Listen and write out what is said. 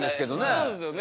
そうですよね。